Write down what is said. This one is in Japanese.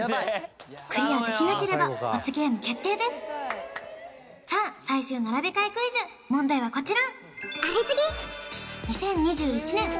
クリアできなければ罰ゲーム決定ですさあ最終並べ替えクイズ問題はこちら